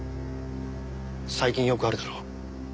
最近よくあるだろ？